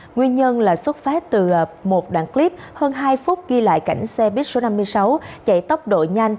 nguyên nhân là xuất phát từ một đoạn clip hơn hai phút ghi lại cảnh xe buýt số năm mươi sáu chạy tốc độ nhanh